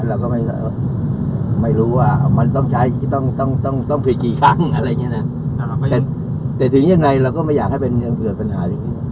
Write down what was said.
เราก็ไม่ไม่รู้ว่ามันต้องใช้ต้องต้องต้องต้องเคลียร์กี่ครั้งอะไรอย่างนี้นะ